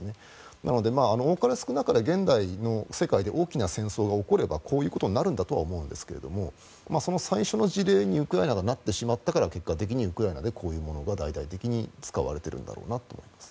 なので多かれ少なかれ現代の世界で戦争が起きればこういうことになるんだとは思うんですがその最初の事例にウクライナがなってしまったから結果的にウクライナで大々的にこういうものが使われているんだろうなと思います。